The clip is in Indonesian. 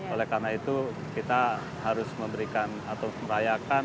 oleh karena itu kita harus memberikan atau merayakan